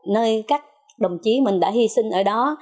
nơi các đồng chí mình đã hy sinh ở đó